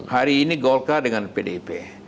hari ini golkar dengan pdip